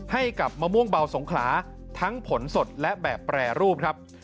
ให้กับมะม่วงเบาสงขลาทั้งผลสดและแบบแปรรูปครับ